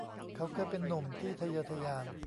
เขาเคยเป็นหนุ่มที่ทะเยอทะยาน